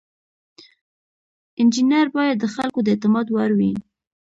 انجینر باید د خلکو د اعتماد وړ وي.